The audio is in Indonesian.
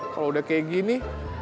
kalo udah kayak gini